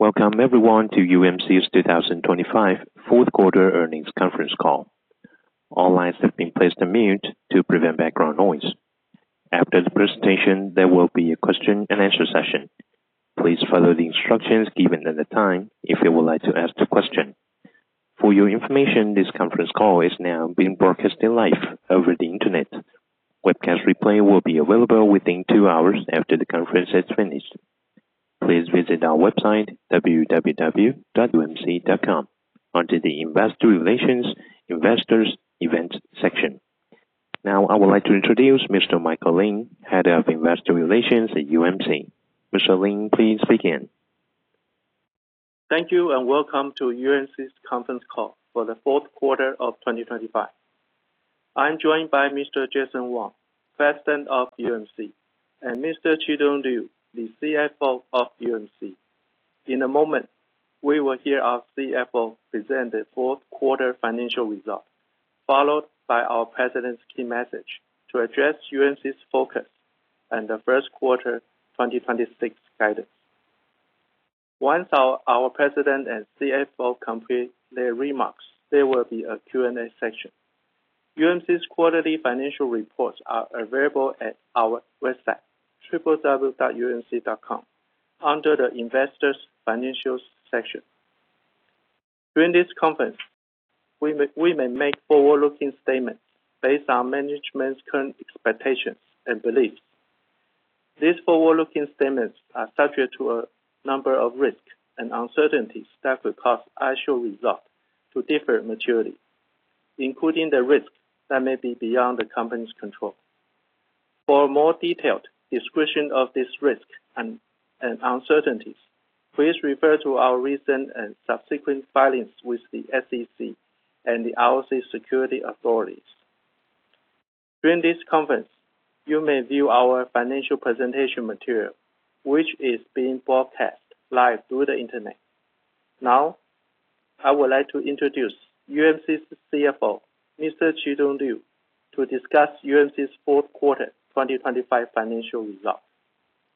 Welcome everyone to UMC's 2025 fourth quarter earnings conference call. All lines have been placed on mute to prevent background noise. After the presentation, there will be a question-and-answer session. Please follow the instructions given at the time if you would like to ask the question. For your information, this conference call is now being broadcasted live over the Internet. Webcast replay will be available within two hours after the conference has finished. Please visit our website, www.umc.com, under the Investor Relations, Investors Events section. Now, I would like to introduce Mr. Michael Lin, Head of Investor Relations at UMC. Mr. Lin, please begin. Thank you, and welcome to UMC's conference call for the fourth quarter of 2025. I'm joined by Mr. Jason Wang, President of UMC, and Mr. Chih-Tung Liu, the CFO of UMC. In a moment, we will hear our CFO present the fourth quarter financial results, followed by our president's key message to address UMC's focus and the first quarter 2026 guidance. Once our president and CFO complete their remarks, there will be a Q&A session. UMC's quarterly financial reports are available at our website, www.umc.com, under the Investors Financials section. During this conference, we may make forward-looking statements based on management's current expectations and beliefs. These forward-looking statements are subject to a number of risks and uncertainties that could cause actual results to differ materially, including the risks that may be beyond the company's control. For a more detailed description of this risk and uncertainties, please refer to our recent and subsequent filings with the SEC and the ROC securities authorities. During this conference, you may view our financial presentation material, which is being broadcast live through the Internet. Now, I would like to introduce UMC's CFO, Mr. Chih-Tung Liu, to discuss UMC's fourth quarter 2025 financial results.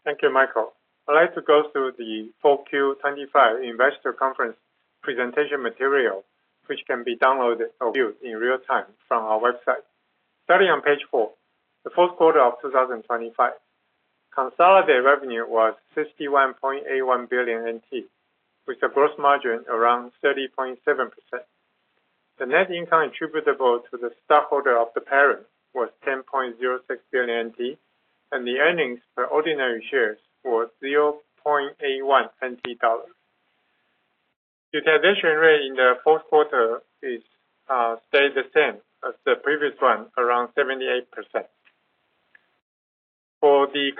Thank you, Michael. I'd like to go through the Q4 2025 investor conference presentation material, which can be downloaded or viewed in real time from our website. Starting on page four, the fourth quarter of 2025. Consolidated revenue was 61.81 billion NT, with a gross margin around 30.7%. The net income attributable to the stockholder of the parent was 10.06 billion NT, and the earnings per ordinary shares was 0.81 NT dollars. Utilization rate in the fourth quarter is stayed the same as the previous one, around 78%. For the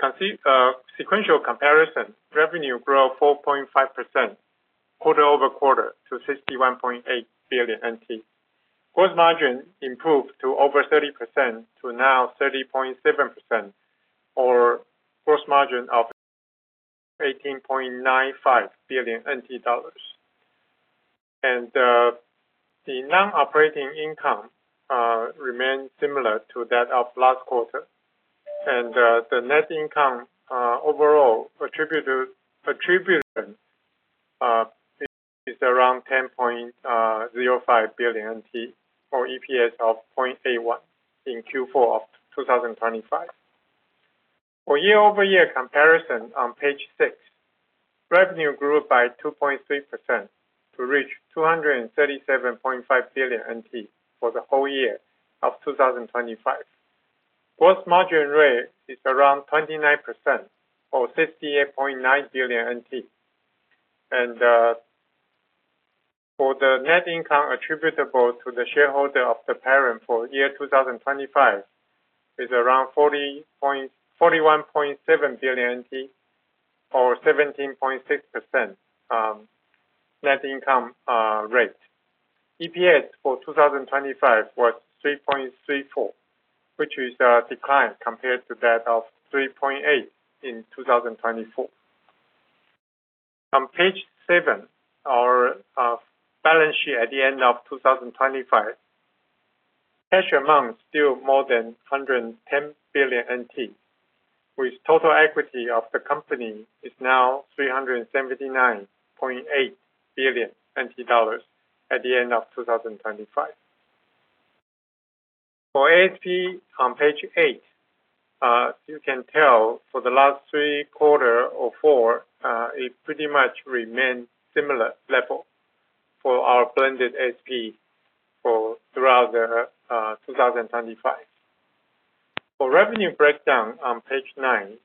sequential comparison, revenue grew 4.5% quarter over quarter to 61.8 billion NT. Gross margin improved to over 30% to now 30.7% or gross margin of 18.95 billion NT dollars. And, the non-operating income, remains similar to that of last quarter. And, the net income, overall attributed, is around 10.05 billion NT, or EPS of 0.81 in Q4 of 2025. For year-over-year comparison on page six, revenue grew by 2.3% to reach 237.5 billion NT for the whole year of 2025. Gross margin rate is around 29%, or 68.9 billion NT. And, for the net income attributable to the shareholder of the parent for year 2025, is around 41.7 billion NT or 17.6%, net income rate. EPS for 2025 was 3.34, which is a decline compared to that of 3.8 in 2024. On page seven, our balance sheet at the end of 2025. Cash amount is still more than 110 billion NT, with total equity of the company is now 379.8 billion NT dollars at the end of 2025. For ASP on page eight, you can tell for the last three quarter or four, it pretty much remained similar level for our blended ASP for throughout the 2025. For revenue breakdown on page 9,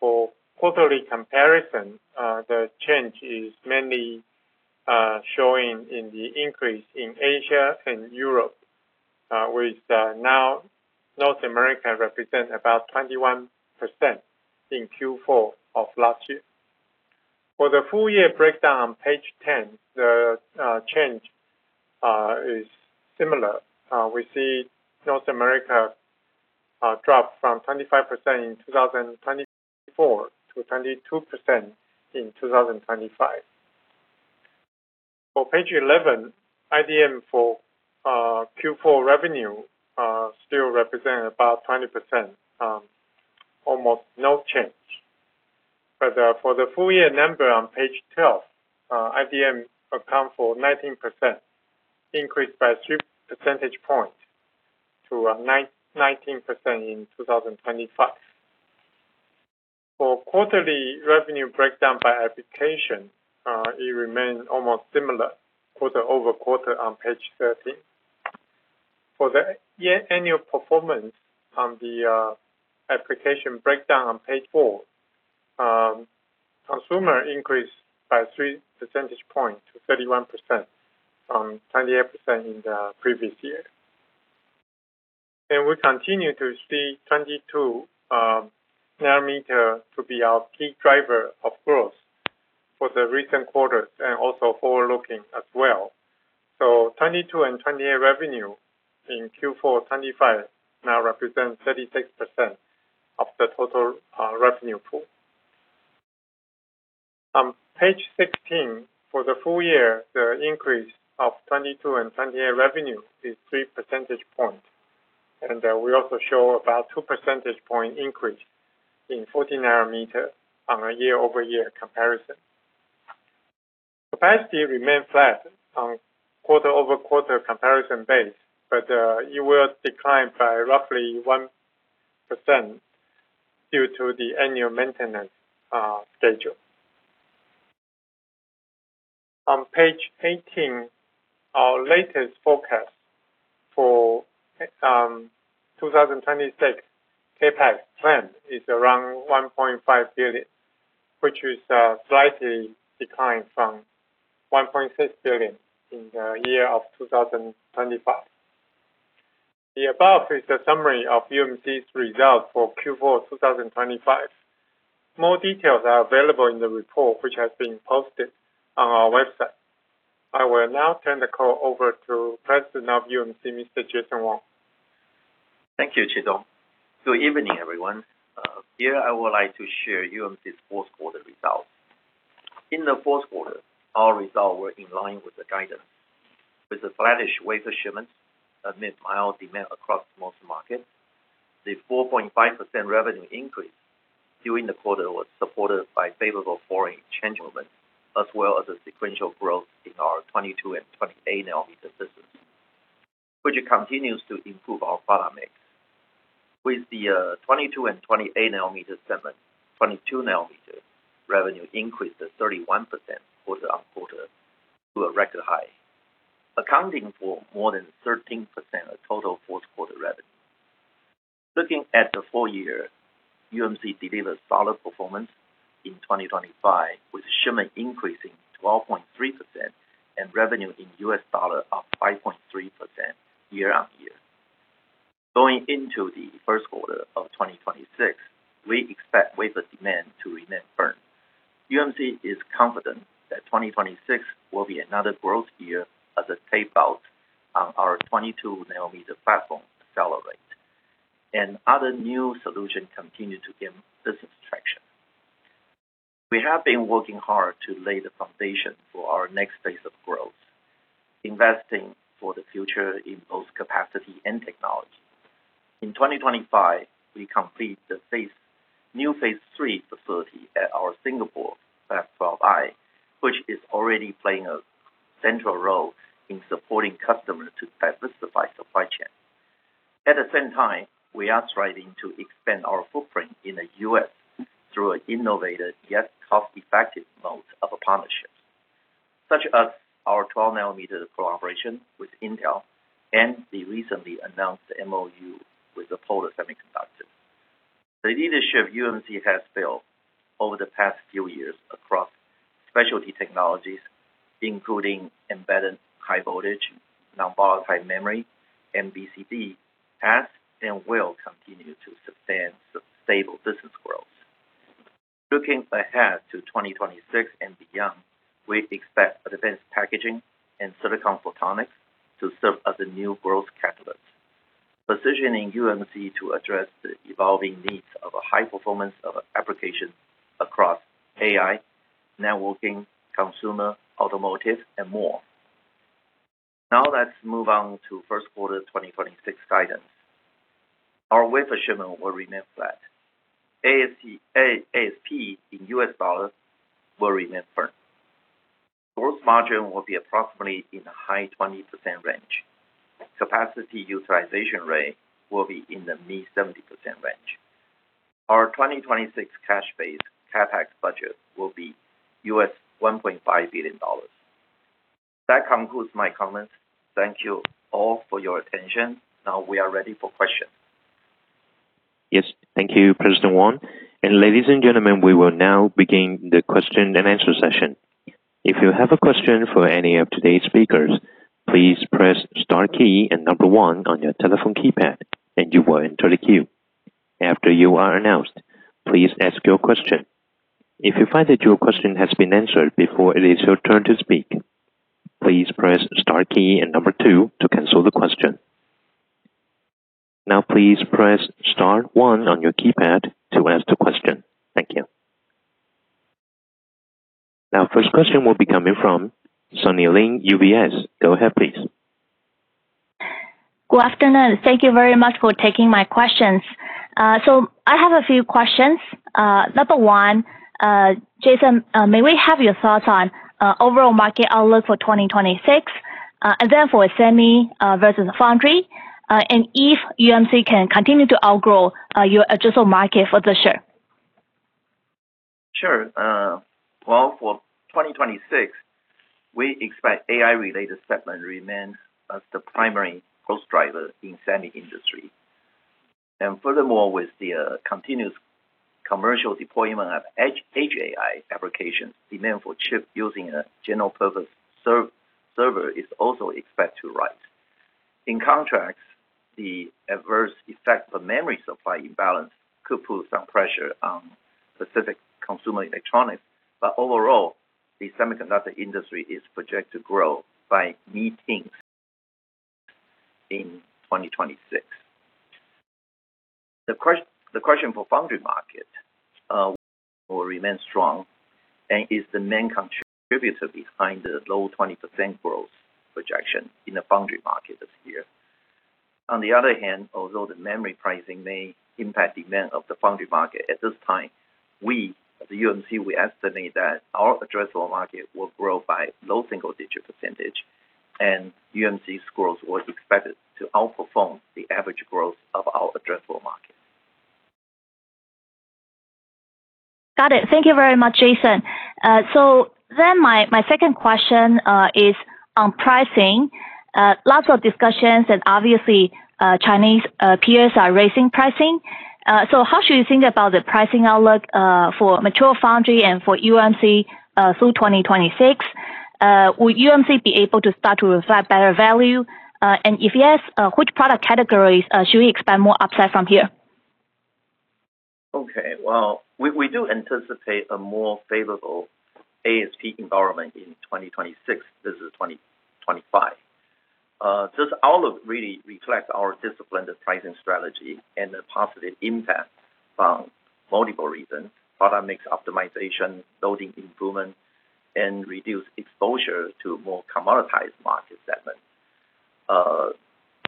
for quarterly comparison, the change is mainly showing in the increase in Asia and Europe, with now North America represent about 21% in Q4 of last year. For the full year breakdown on page 10, the change is similar. We see North America drop from 25% in 2024 to 22% in 2025. On page 11, IDM for Q4 revenue still represent about 20%, almost no change. But for the full year number on page 12, IDM account for 19%, increased by three percentage points to 19% in 2025. For quarterly revenue breakdown by application, it remains almost similar quarter-over-quarter on page 13. For the annual performance on the application breakdown on page four, consumer increased by three percentage points to 31% from 28% in the previous year. We continue to see 22 nm to be our key driver of growth for the recent quarters and also forward looking as well. 22 nm and 28 nm revenue in Q4 2025 now represent 36% of the total revenue pool. On page 16, for the full year, the increase of 22 nm and 28 nm revenue is three percentage points, and we also show about two percentage point increase in 14 nm on a year-over-year comparison. Capacity remained flat on quarter-over-quarter comparison base, but it will decline by roughly 1% due to the annual maintenance schedule. On page 18, our latest forecast for 2026 CapEx plan is around $1.5 billion, which is slightly declined from $1.6 billion in the year of 2025. The above is a summary of UMC's results for Q4 2025. More details are available in the report, which has been posted on our website. I will now turn the call over to President of UMC, Mr. Jason Wang. Thank you, Chih-Tung. Good evening, everyone. Here I would like to share UMC's fourth quarter results. In the fourth quarter, our results were in line with the guidance. With the flattish wafer shipments amid mild demand across most markets, the 4.5% revenue increase during the quarter was supported by favorable foreign exchange movement, as well as the sequential growth in our 22 nm and 28 nm systems, which continues to improve our product mix. With the 22 nm and 28 nm segment, 22 nm revenue increased to 31% quarter-on-quarter to a record high, accounting for more than 13% of total fourth quarter revenue. Looking at the full year, UMC delivered solid performance in 2025, with shipment increasing 12.3% and revenue in U.S. dollar up 5.3% year-on-year. Going into the first quarter of 2026, we expect wafer demand to remain firm. UMC is confident that 2026 will be another growth year as a tape-outs on our 22 nm platform accelerate, and other new solutions continue to gain business traction. We have been working hard to lay the foundation for our next phase of growth, investing for the future in both capacity and technology. In 2025, we complete the new Phase 3 facility at our Singapore Fab 12i, which is already playing a central role in supporting customers to diversify supply chain. At the same time, we are striving to expand our footprint in the U.S. through an innovative yet cost-effective mode of partnerships, such as our 12 nm collaboration with Intel and the recently announced MOU with the Polar Semiconductor. The leadership UMC has built over the past few years across specialty technologies, including embedded high voltage, non-volatile memory, and BCD, has and will continue to sustain sustainable business growth. Looking ahead to 2026 and beyond, we expect advanced packaging and silicon photonics to serve as a new growth catalyst, positioning UMC to address the evolving needs of a high performance of application across AI, networking, consumer, automotive, and more. Now, let's move on to first quarter 2026 guidance. Our wafer shipment will remain flat. ASP in U.S. dollars will remain firm. Gross margin will be approximately in the high 20% range. Capacity utilization rate will be in the mid-70% range. Our 2026 cash-based CapEx budget will be $1.5 billion. That concludes my comments. Thank you all for your attention. Now, we are ready for questions. Yes, thank you, President Wang. And ladies and gentlemen, we will now begin the question and answer session. If you have a question for any of today's speakers, please press star key and number one on your telephone keypad, and you will enter the queue. After you are announced, please ask your question. If you find that your question has been answered before it is your turn to speak, please press star key and number two to cancel the queue. Please press star one on your keypad to ask the question. Thank you. Our first question will be coming from Sunny Lin, UBS. Go ahead, please. Good afternoon. Thank you very much for taking my questions. I have a few questions. Number one, Jason, may we have your thoughts on overall market outlook for 2026, and then for semi versus foundry, and if UMC can continue to outgrow your addressable market for this year? Sure. Well, for 2026, we expect AI-related segment to remain as the primary growth driver in semi industry. And furthermore, with the continuous commercial deployment of edge AI applications, demand for chip using a general purpose server is also expected to rise. In contrast, the adverse effect of memory supply imbalance could put some pressure on specific consumer electronics, but overall, the semiconductor industry is projected to grow by mid-teens in 2026. The question for foundry market will remain strong and is the main contributor behind the low 20% growth projection in the foundry market this year. On the other hand, although the memory pricing may impact demand of the foundry market, at this time, we at the UMC estimate that our addressable market will grow by low single-digit %, and UMC growth was expected to outperform the average growth of our addressable market. Got it. Thank you very much, Jason. So then my second question is on pricing. Lots of discussions and obviously, Chinese peers are raising pricing. So how should you think about the pricing outlook for mature foundry and for UMC through 2026? Will UMC be able to start to reflect better value? And if yes, which product categories should we expect more upside from here? Okay. Well, we anticipate a more favorable ASP environment in 2026 versus 2025. This outlook really reflects our disciplined pricing strategy and the positive impact from multiple reasons, product mix optimization, loading improvement, and reduced exposure to more commoditized market segments.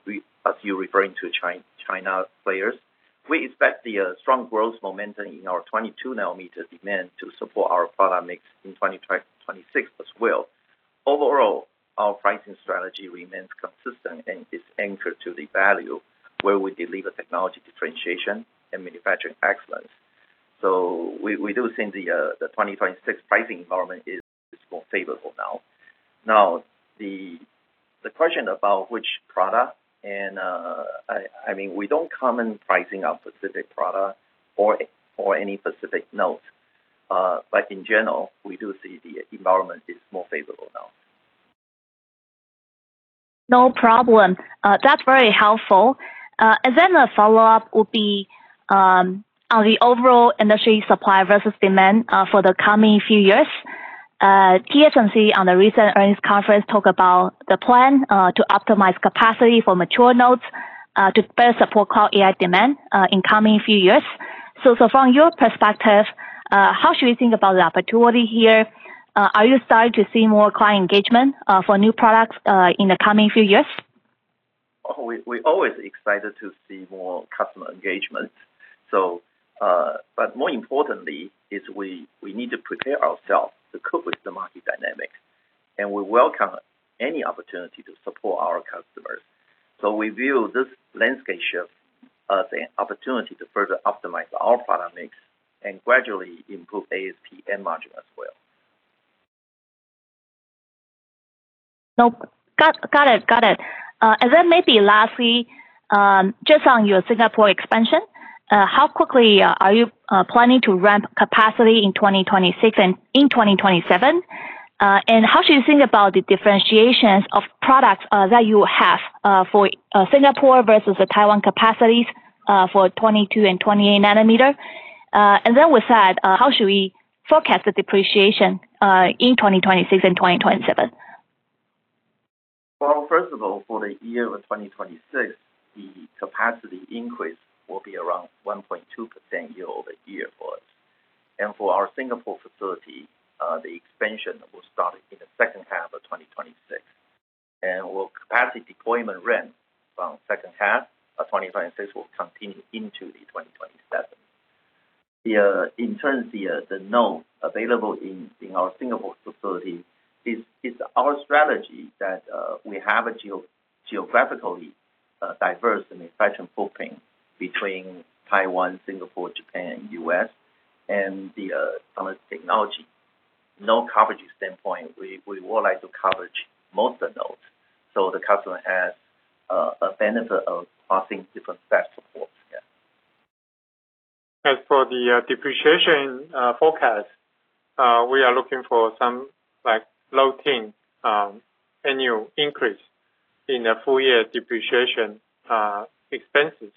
We, as you're referring to China players, expect the strong growth momentum in our 22 nm demand to support our product mix in 2026 as well. Overall, our pricing strategy remains consistent and is anchored to the value where we deliver technology differentiation and manufacturing excellence. So we do think the 2026 pricing environment is more favorable now. Now, the question about which product and, I mean, we don't comment pricing on specific product or any specific node. But in general, we do see the environment is more favorable now. No problem. That's very helpful. And then a follow-up would be on the overall industry supply versus demand for the coming few years. TSMC, on the recent earnings conference, talked about the plan to optimize capacity for mature nodes to better support cloud AI demand in coming few years. So from your perspective, how should we think about the opportunity here? Are you starting to see more client engagement for new products in the coming few years? Oh, we're always excited to see more customer engagement. So, but more importantly, we need to prepare ourselves to cope with the market dynamics, and we welcome any opportunity to support our customers. So we view this landscape shift as an opportunity to further optimize our product mix and gradually improve ASP and margin as well. Nope. Got, got it. Got it. And then maybe lastly, just on your Singapore expansion, how quickly are you planning to ramp capacity in 2026 and in 2027? And how should you think about the differentiations of products that you have for Singapore versus the Taiwan capacities for 22 nm and 28 nm? And then with that, how should we forecast the depreciation in 2026 and 2027? Well, first of all, for the year of 2026, the capacity increase will be around 1.2% year-over-year for us. And for our Singapore facility, the expansion will start in the second half of 2026, and the capacity deployment ramp from second half of 2026 will continue into the 2027. In terms of the nodes available in our Singapore facility, it is our strategy that we have a geographically diverse and efficient footprint between Taiwan, Singapore, Japan, U.S., and from a technology node coverage standpoint, we would like to cover most of the nodes, so the customer has a benefit of crossing different site supports. Yeah. As for the depreciation forecast, we are looking for some like low teens annual increase in the full-year depreciation expenses.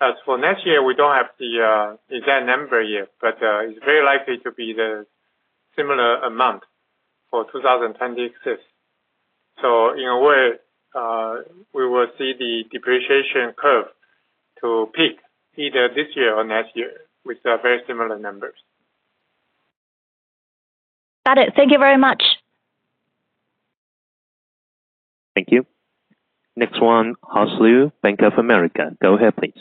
As for next year, we don't have the exact number yet, but it's very likely to be the similar amount for 2026. So in a way, we will see the depreciation curve to peak either this year or next year, with very similar numbers. Got it. Thank you very much. Thank you. Next one, [Hause Lu], Bank of America. Go ahead, please.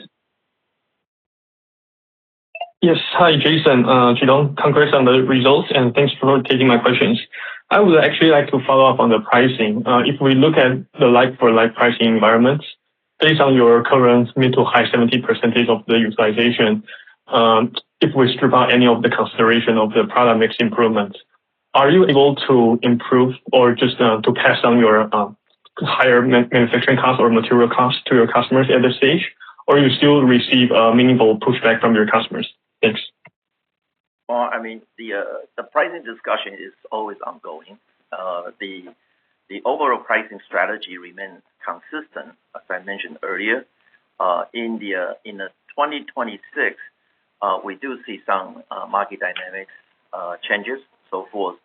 Yes. Hi, Jason. Congratulations on the results, and thanks for taking my questions. I would actually like to follow up on the pricing. If we look at the like-for-like pricing environments, based on your current mid- to high-70% of the utilization, if we strip out any of the consideration of the product mix improvement, are you able to improve or just to pass on your higher manufacturing costs or material costs to your customers at this stage? Or you still receive meaningful pushback from your customers? Thanks. Well, I mean, the pricing discussion is always ongoing. The overall pricing strategy remains consistent. As I mentioned earlier, in 2026, we do see some market dynamic changes. So for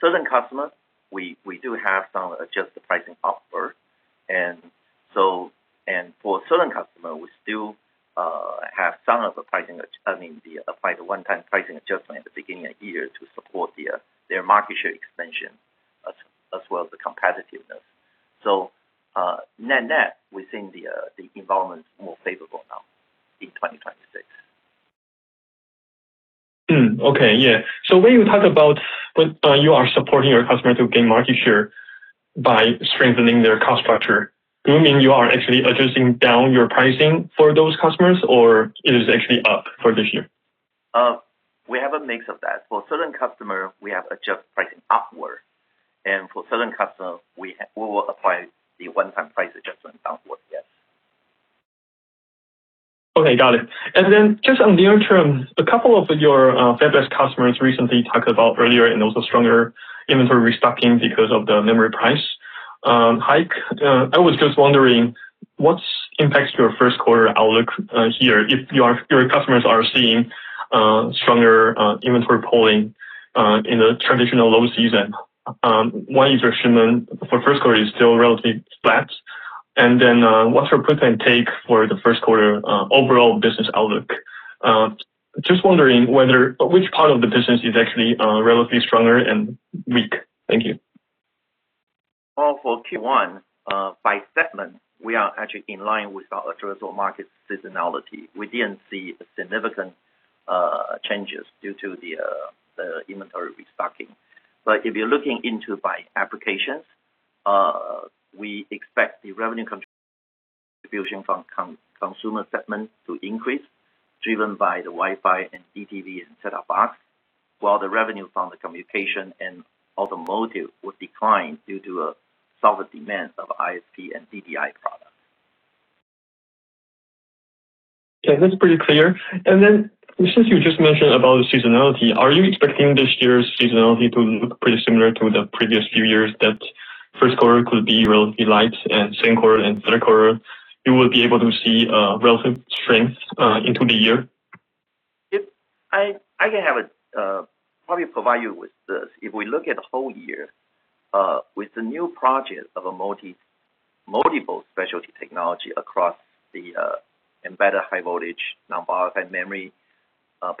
certain customers, we do have some adjusted pricing upward. And so, and for certain customer, we still have some of the pricing, I mean, the apply the one-time pricing adjustment at the beginning of year to support the their market share expansion, as well as the competitiveness. So, net-net, we think the environment is more favorable now in 2026. Hmm. Okay. Yeah. So when you talk about, but you are supporting your customer to gain market share by strengthening their cost structure, do you mean you are actually adjusting down your pricing for those customers, or it is actually up for this year? We have a mix of that. For certain customer, we have adjusted pricing upward, and for certain customer, we will apply the one-time price adjustment downward, yes. Okay, got it. And then just on near term, a couple of your fabless customers recently talked about earlier and also stronger inventory restocking because of the memory price hike. I was just wondering, what's impacts your first quarter outlook here, if your customers are seeing stronger inventory pulling in the traditional low season, why is your shipment for first quarter is still relatively flat? And then, what's your put and take for the first quarter overall business outlook? Just wondering whether, which part of the business is actually relatively stronger and weak. Thank you. Well, for Q1, by segment, we are actually in line with our addressable market seasonality. We didn't see significant changes due to the inventory restocking. But if you're looking into by applications, we expect the revenue contribution from consumer segment to increase, driven by the Wi-Fi and DTV and set-top box, while the revenue from the communication and automotive will decline due to a softer demand of ISP and DDI products. Okay, that's pretty clear. And then since you just mentioned about the seasonality, are you expecting this year's seasonality to look pretty similar to the previous few years, that first quarter could be relatively light, and second quarter and third quarter, you will be able to see relative strength into the year? If I can probably provide you with this. If we look at the whole year, with the new project of multiple specialty technology across the embedded high voltage, non-volatile memory,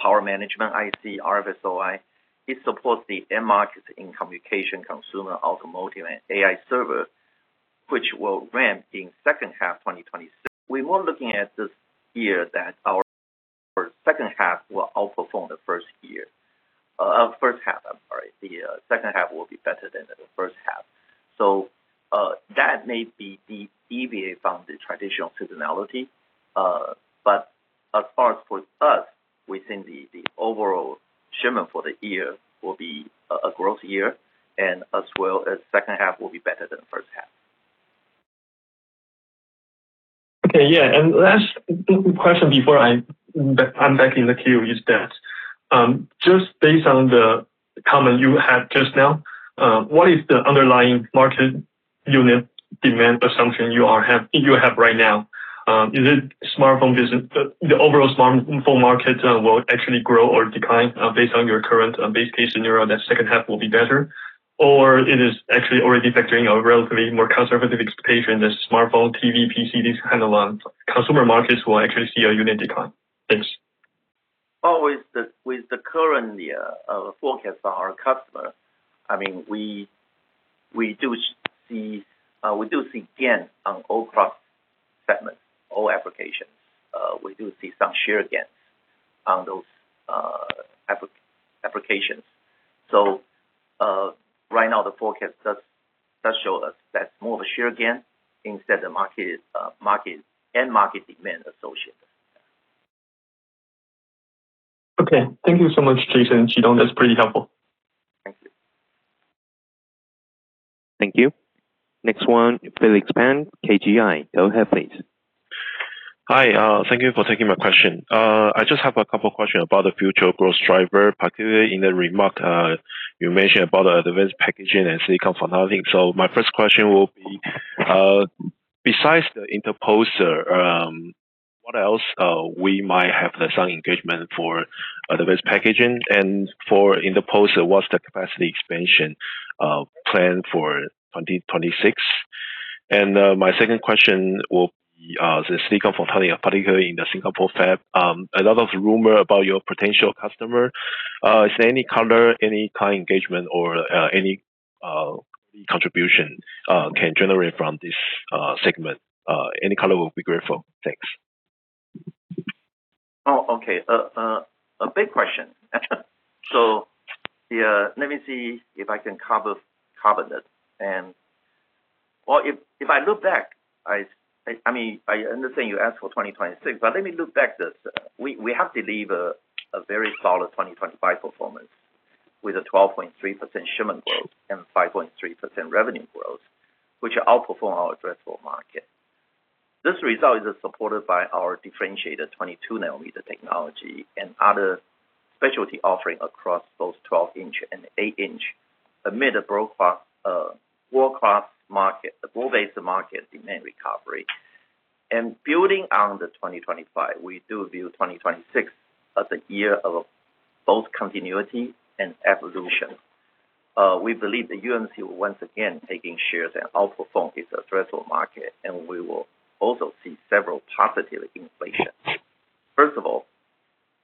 power management IC, RFSOI, it supports the end market in communication, consumer, automotive, and AI server, which will ramp in second half 2026. We were looking at this year that our second half will outperform the first half, I'm sorry. The second half will be better than the first half. So, that may deviate from the traditional seasonality. But as far as for us, we think the overall shipment for the year will be a growth year, and as well as second half will be better than the first half. Okay, yeah, and last question before I'm back in the queue is that, just based on the comment you had just now, what is the underlying market unit demand assumption you have right now? Is it smartphone business? The overall smartphone market will actually grow or decline based on your current base case scenario, that second half will be better, or it is actually already factoring a relatively more conservative expectation than smartphone, TV, PC, these kind of consumer markets will actually see a unit decline? Thanks. Well, with the current forecast for our customer, I mean, we do see gains on all product segments, all applications. We do see some share gains on those applications. So, right now, the forecast does show us that more of a share gain instead of market end market demand associated. Okay, thank you so much, Jason. That's pretty helpful. Thank you. Thank you. Next one, Felix Pan, KGI. Go ahead, please. Hi, thank you for taking my question. I just have a couple of questions about the future growth driver, particularly in the remarks you mentioned about advanced packaging and silicon photonics. So my first question will be, besides the interposer, what else we might have some engagement for advanced packaging and for in the post, what's the capacity expansion plan for 2026? And, my second question will be, the silicon photonics, particularly in the Singapore fab. A lot of rumor about your potential customer. Is there any color, any client engagement, or, any contribution can generate from this segment? Any color will be grateful. Thanks. Oh, okay. A big question. So, yeah, let me see if I can cover, cover that. And well, if, if I look back, I mean, I understand you asked for 2026, but let me look back this. We have to leave a very solid 2025 performance with a 12.3% shipment growth and 5.3% revenue growth, which outperform our addressable market. This result is supported by our differentiated 22 nm technology and other specialty offering across those 12 in and 8 in amid a broad class world-class market, a broad-based market demand recovery. And building on the 2025, we do view 2026 as a year of both continuity and evolution. We believe the UMC will once again taking shares and outperform its addressable market, and we will also see several positive inflections. First of all,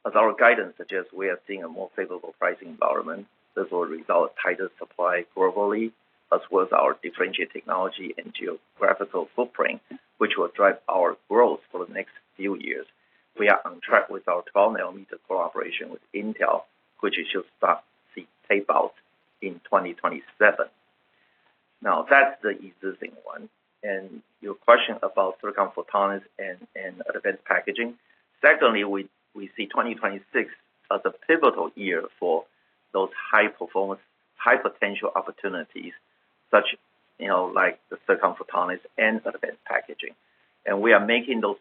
as our guidance suggests, we are seeing a more favorable pricing environment. This will result in tighter supply globally, as well as our differentiated technology and geographical footprint, which will drive our growth for the next few years. We are on track with our 12 nm cooperation with Intel, which should start to see tape out in 2027. Now, that's the existing one. And your question about silicon photonics and advanced packaging. Secondly, we see 2026 as a pivotal year for those high performance, high potential opportunities such as, you know, like the silicon photonics and advanced packaging. And we are making those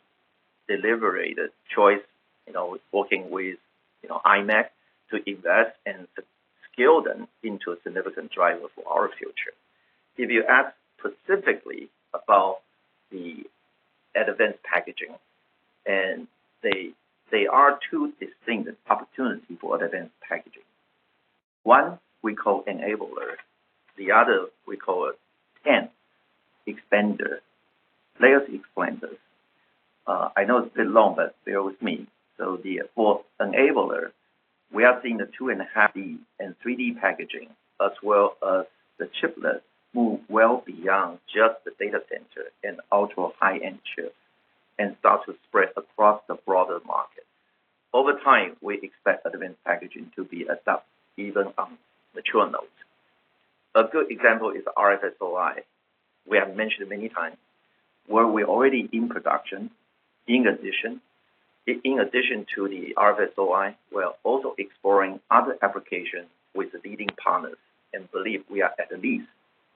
deliberate choices, you know, working with, you know, imec to invest and to scale them into a significant driver for our future. If you ask specifically about the advanced packaging, there are two distinct opportunities for advanced packaging. One we call enabler, the other we call TAM expander. Let us explain this. I know it's a bit long, but bear with me. So the, for enabler, we are seeing the 2.5D and 3D packaging, as well as the chiplets move well beyond just the data center and ultra high-end chips, and start to spread across the broader market. Over time, we expect advanced packaging to be adopted even on mature nodes. A good example is RFSOI. We have mentioned many times, where we're already in production. In addition to the RFSOI, we are also exploring other applications with the leading partners and believe we are at least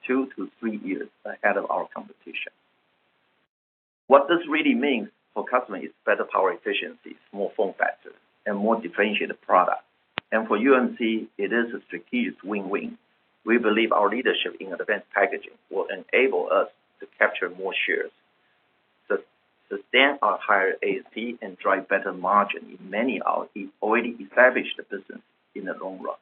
2-3 years ahead of our competition. What this really means for customers is better power efficiency, small form factors, and more differentiated products. And for UMC, it is a strategic win-win. We believe our leadership in advanced packaging will enable us to capture more shares, sustain our higher ASP and drive better margin in many of our already established business in the long run.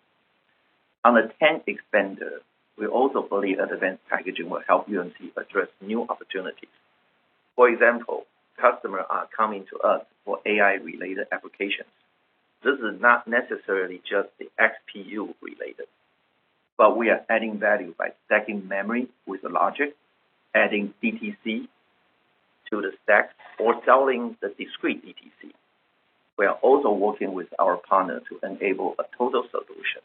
On the TAM expander, we also believe that advanced packaging will help UMC address new opportunities. For example, customers are coming to us for AI-related applications. This is not necessarily just the XPU related, but we are adding value by stacking memory with the logic, adding DTC to the stack or selling the discrete DTC. We are also working with our partner to enable a total solution.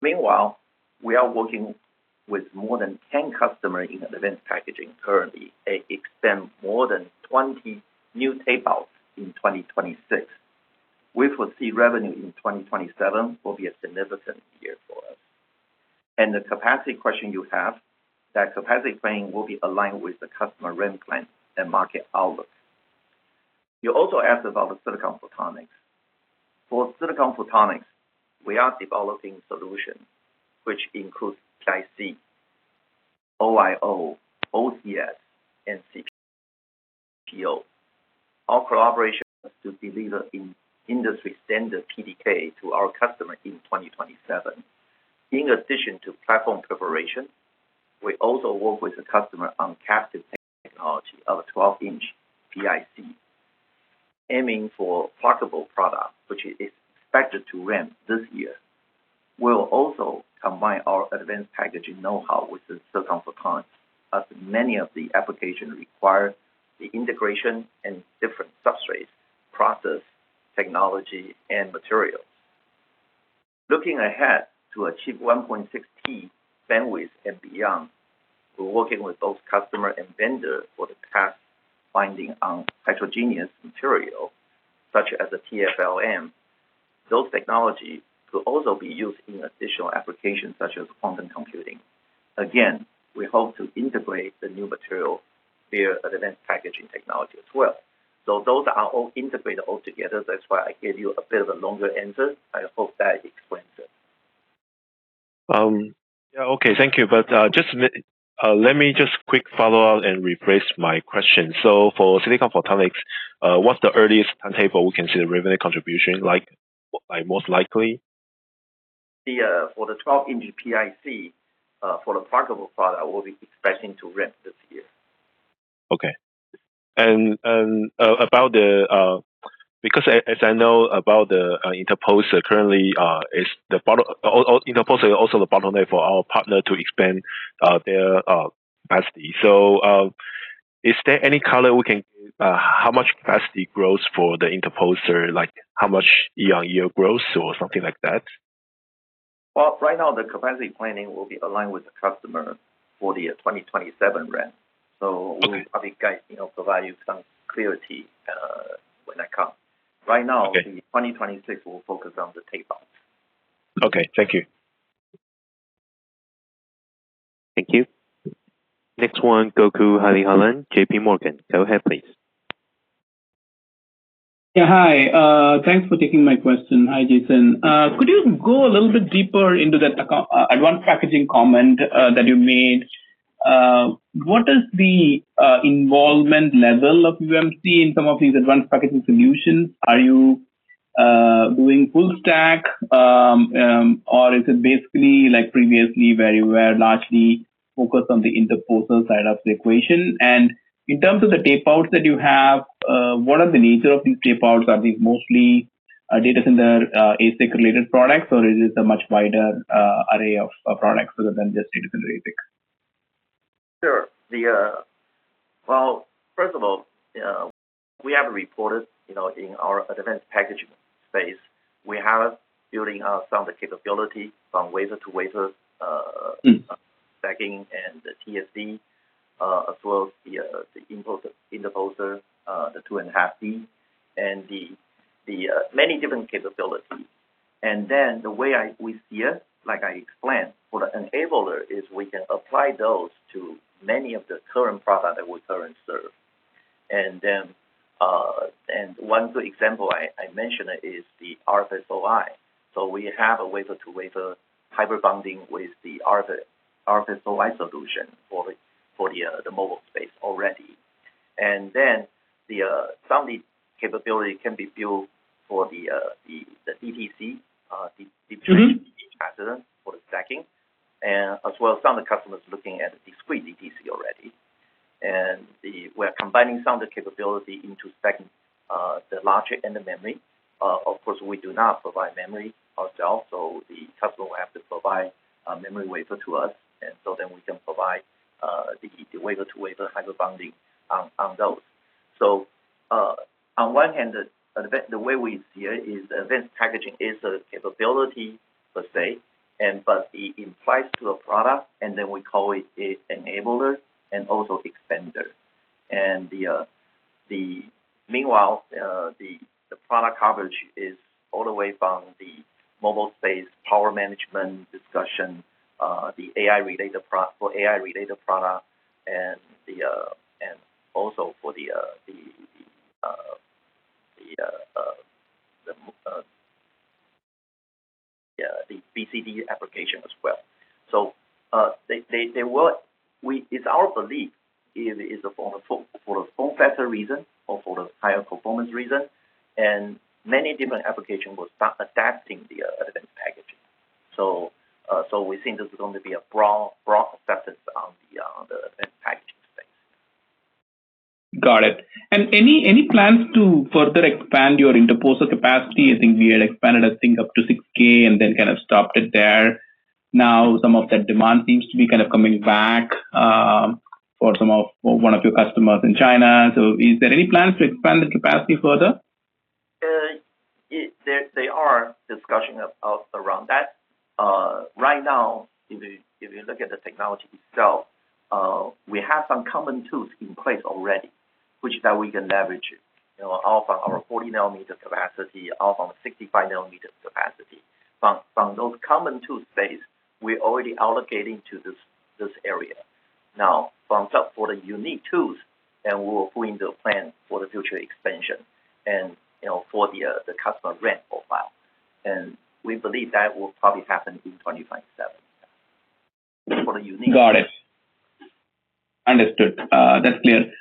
Meanwhile, we are working with more than 10 customers in advanced packaging currently. They expect more than 20 new tape outs in 2026. We foresee revenue in 2027 will be a significant year for us. The capacity question you have, that capacity planning will be aligned with the customer ramp plan and market outlook. You also asked about the silicon photonics. For silicon photonics, we are developing solutions which includes PIC, OIO, OCS, and CPO. Our collaboration is to deliver an industry standard PDK to our customer in 2027. In addition to platform preparation, we also work with the customer on captive technology of a 12 in PIC, aiming for portable product, which is expected to ramp this year. We'll also combine our advanced packaging know-how with the silicon photonics, as many of the applications require the integration and different substrate, process, technology, and materials. Looking ahead to achieve 1.6T bandwidth and beyond, we're working with both customer and vendor for the path finding on heterogeneous material such as the TFLN. Those technologies will also be used in additional applications such as quantum computing. Again, we hope to integrate the new material via advanced packaging technology as well. So those are all integrated all together. That's why I gave you a bit of a longer answer. I hope that explains it. Yeah, okay, thank you. But, just, let me just quick follow up and rephrase my question. So for Silicon Photonics, what's the earliest timetable we can see the revenue contribution, like, by most likely? For the 12 in PIC, for the programmable product, we'll be expecting to ramp this year. Okay. And about the, because as I know about the interposer currently, the bottom interposer is also the bottleneck for our partner to expand their capacity. So, is there any color we can how much capacity growth for the interposer, like how much year-on-year growth or something like that? Well, right now, the capacity planning will be aligned with the customer for the 2027 ramp. Okay. We will probably guide, you know, provide you some clarity, when that comes. Okay. Right now, the 2026, we'll focus on the tape out. Okay, thank you. Thank you. Next one, Gokul Hariharan, JPMorgan. Go ahead, please. Yeah, hi. Thanks for taking my question. Hi, Jason. Could you go a little bit deeper into the advanced packaging comment that you made? What is the involvement level of UMC in some of these advanced packaging solutions? Are you doing full stack, or is it basically like previously, where you were largely focused on the interposer side of the equation? And in terms of the tape outs that you have, what are the nature of these tape outs? Are these mostly data center ASIC related products, or is this a much wider array of products rather than just data center ASIC? Sure. The... Well, first of all, we have reported, you know, in our advanced packaging space, we have building out some of the capability from wafer to wafer. Stacking and the TSV, as well as the interposer, the 2.5D, and the many different capabilities. And then, the way we see it, like I explained, for the enabler is we can apply those to many of the current product that we currently serve. And then, and one good example I mentioned is the RFSOI. So we have a wafer-to-wafer hybrid bonding with the RFSOI solution for the mobile space already. And then, some of the capability can be built for the DTC. For the stacking, and as well as some of the customers looking at discrete DTC already. And we're combining some of the capability into stacking, the logic and the memory. Of course, we do not provide memory ourselves, so the customer will have to provide memory wafer to us, and so then we can provide the wafer-to-wafer hybrid bonding on those. So, on one hand, the way we see it is advanced packaging is a capability per se, and but it applies to a product, and then we call it an enabler and also extender. Meanwhile, the product coverage is all the way from the mobile space, power management discussion, the AI-related pro-for AI-related product and also for the BCD application as well. So, they will... We, it's our belief is for a form factor reason or for the higher performance reason, and many different application will start adapting the advanced packaging. So, we think this is going to be a broad, broad success on the advanced packaging space. Got it. Any plans to further expand your interposer capacity? I think we had expanded, I think, up to 6,000 and then kind of stopped it there. Now, some of that demand seems to be kind of coming back for one of your customers in China. Is there any plans to expand the capacity further? There are discussions around that. Right now, if you look at the technology itself, we have some common tools in place already, which we can leverage, you know, off of our 40 nm capacity, off of our 65 nm capacity. From those common tools base, we're already allocating to this area. Now, for the unique tools, then we will put into plan for the future expansion and, you know, for the customer ramp profile, and we believe that will probably happen in 2027. For the unique- Got it. Understood. That's clear.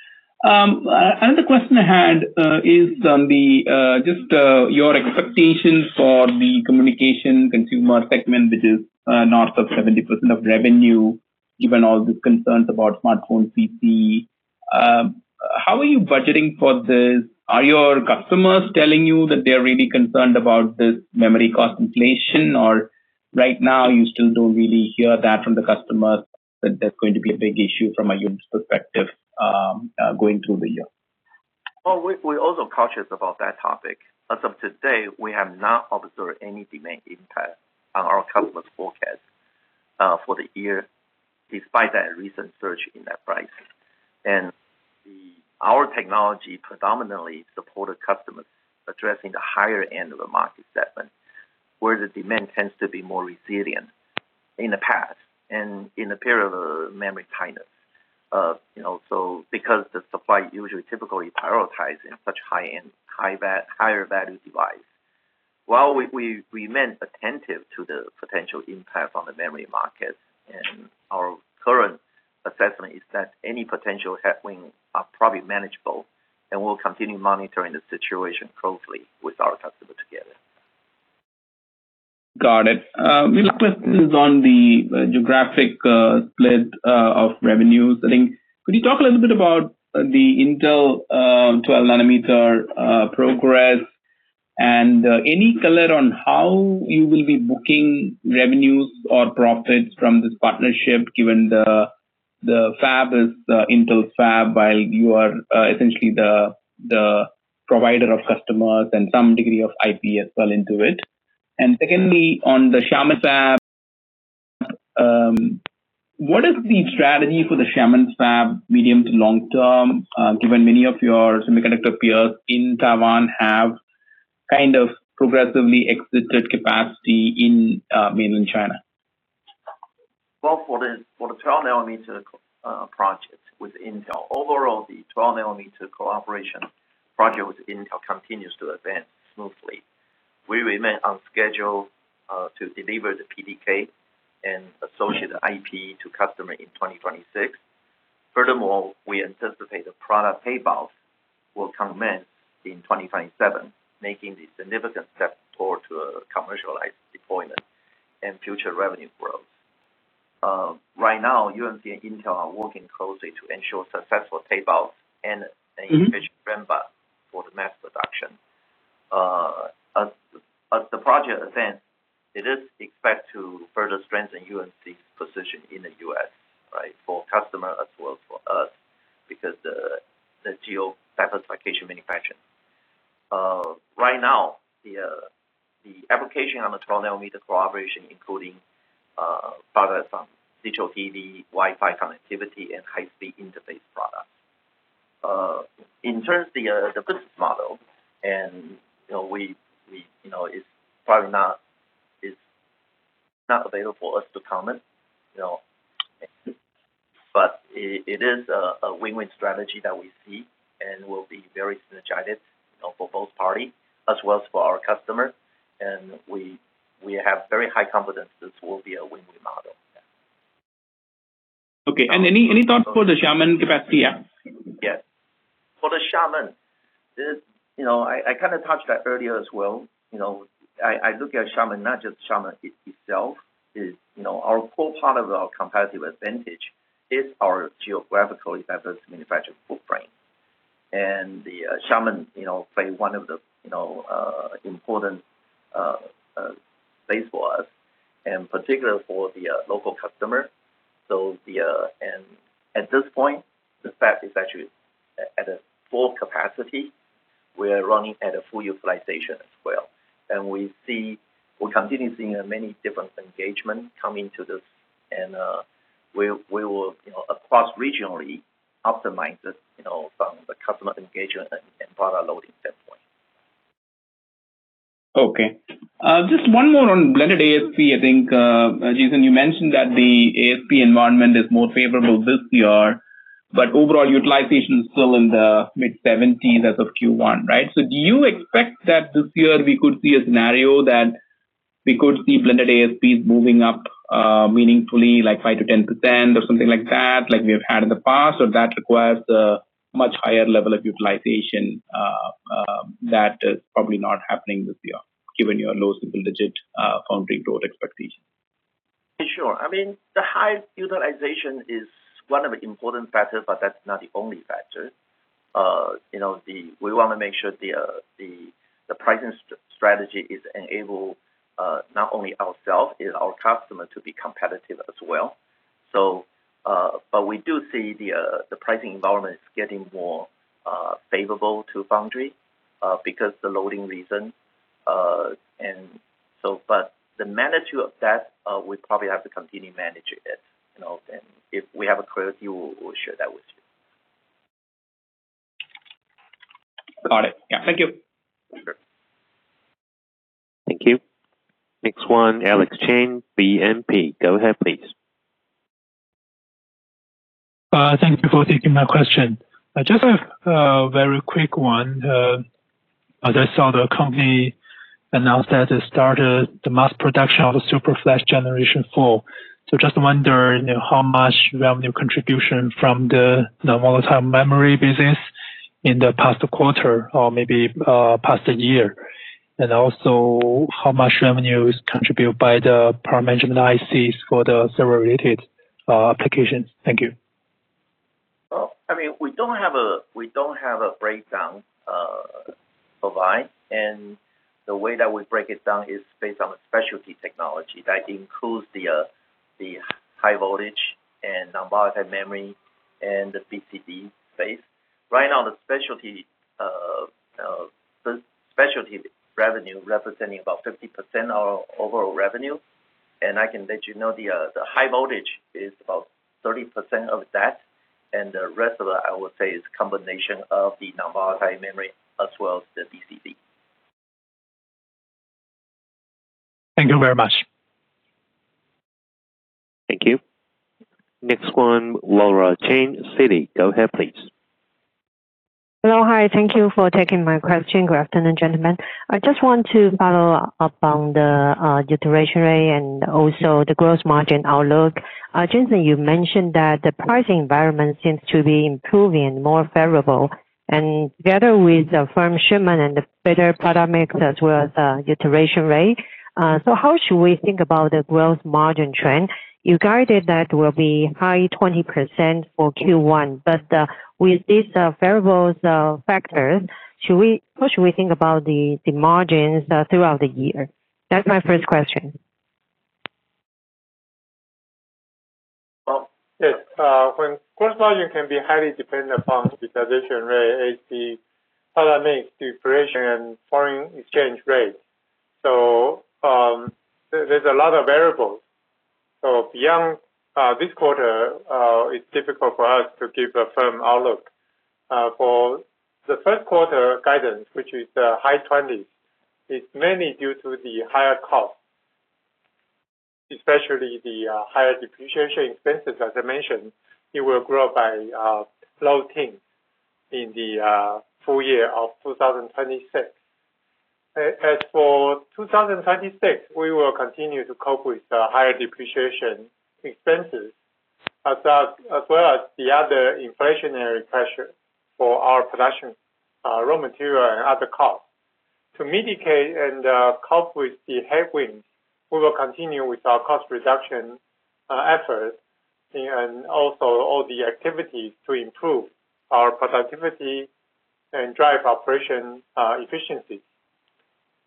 Another question I had is on the just your expectations for the communication consumer segment, which is north of 70% of revenue, given all the concerns about smartphone PC. How are you budgeting for this? Are your customers telling you that they're really concerned about this memory cost inflation, or right now you still don't really hear that from the customers, that that's going to be a big issue from a UMC perspective, going through the year? Well, we're also conscious about that topic. As of today, we have not observed any demand impact on our customer's forecast for the year, despite that recent surge in that price. And our technology predominantly supported customers addressing the higher end of the market segment, where the demand tends to be more resilient in the past and in the period of memory tightness. You know, so because the supply usually typically prioritize in such high-end, higher value device. While we remain attentive to the potential impact on the memory market, and our current assessment is that any potential headwind are probably manageable, and we'll continue monitoring the situation closely with our customer together. Got it. My last question is on the geographic split of revenues. I think, could you talk a little bit about the Intel 12 nm progress, and any color on how you will be booking revenues or profits from this partnership, given the fab is the Intel Fab, while you are essentially the provider of customers and some degree of IP as well into it? And secondly, on the Xiamen Fab, what is the strategy for the Xiamen Fab, medium to long term, given many of your semiconductor peers in Taiwan have kind of progressively exited capacity in mainland China? Well, for the 12 nm project with Intel, overall, the 12 nm collaboration project with Intel continues to advance smoothly. We remain on schedule to deliver the PDK and associated IP to customer in 2026. Furthermore, we anticipate the product tapeouts will commence in 2027, making the significant step toward to a commercialized deployment and future revenue growth. Right now, UMC and Intel are working closely to ensure successful tapeout and- An efficient framework for the mass production. As the project advance, it is expected to further strengthen UMC's position in the U.S., right? For customer as well as for us, because the geo diversification manufacture. Right now, the application on the 12 nm collaboration, including products from digital TV, Wi-Fi connectivity, and high-speed interface products. In terms of the business model and, you know, we, we, you know, it's probably not, it's not available for us to comment, you know, but it, it is a win-win strategy that we see and will be very synergistic, you know, for both party as well as for our customer, and we, we have very high confidence this will be a win-win model. Okay. And any, any thoughts for the Xiamen capacity? Yeah. Yes. For the Xiamen, it is. You know, I kind of touched that earlier as well, you know. I look at Xiamen, not just Xiamen itself, is, you know, our core part of our competitive advantage is our geographically diverse manufacturing footprint. And the, Xiamen, you know, plays one of the, you know, important, place for us, and particularly for the, local customer. So the, and at this point, the fab is actually at, a full capacity. We're running at a full utilization as well. And we see we're continuing seeing many different engagement come into this, and, we, we will, you know, across regionally, optimize this, you know, from the customer engagement and, product loading standpoint. Okay. Just one more on blended ASP. I think, Jason, you mentioned that the ASP environment is more favorable this year, but overall utilization is still in the mid-70s% as of Q1, right? So do you expect that this year we could see a scenario that we could see blended ASPs moving up, meaningfully, like 5%-10% or something like that, like we have had in the past? Or that requires a much higher level of utilization, that is probably not happening this year, given your low single-digit foundry growth expectation. Sure. I mean, the high utilization is one of the important factors, but that's not the only factor. You know, we want to make sure the pricing strategy is enabled, not only ourselves and our customers to be competitive as well. So, but we do see the pricing environment is getting more favorable to foundry because the loading reason. But the magnitude of that, we probably have to continue manage it, you know, and if we have a clear view, we'll share that with you. Got it. Yeah. Thank you. Sure. Thank you. Next one, Alex Chang, BNP. Go ahead, please. Thank you for taking my question. I just have a very quick one. As I saw, the company announced that it started the mass production of the SuperFlash Generation 4. Just wondering, how much revenue contribution from the non-volatile memory business in the past quarter or maybe past year? And also, how much revenue is contributed by the power management ICs for the server-related applications? Thank you. Well, I mean, we don't have a breakdown, provide, and the way that we break it down is based on the specialty technology that includes the high voltage and non-volatile memory and the BCD space. Right now, the specialty revenue representing about 50% of overall revenue, and I can let you know, the high voltage is about 30% of that, and the rest of that, I would say, is combination of the non-volatile memory as well as the BCD. Thank you very much. Thank you. Next one, Laura Chen, Citi, go ahead, please. Hello. Hi, thank you for taking my question. Good afternoon, gentlemen. I just want to follow up on the depreciation rate and also the gross margin outlook. Jason, you mentioned that the pricing environment seems to be improving and more favorable, and together with the firm shipment and the better product mix, as well as utilization rate. So how should we think about the gross margin trend? You guided that will be high 20% for Q1, but with these variables, factors, should we, what should we think about the margins throughout the year? That's my first question. Well, yes, when gross margin can be highly dependent upon the utilization rate, is the product mix, depreciation, and foreign exchange rate. So, there's a lot of variables. So beyond this quarter, it's difficult for us to give a firm outlook. For the first quarter guidance, which is high 20s, it's mainly due to the higher cost, especially the higher depreciation expenses. As I mentioned, it will grow by low teens in the full year of 2026. As for 2026, we will continue to cope with the higher depreciation expenses, as well as the other inflationary pressure for our production, raw material and other costs. To mitigate and cope with the headwinds, we will continue with our cost reduction efforts and also all the activities to improve our productivity and drive operation